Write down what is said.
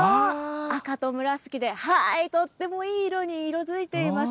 赤と紫で、とってもいい色に色づいています。